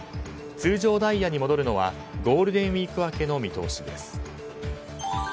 通常ダイヤに戻るのはゴールデンウィーク明けの見通しです。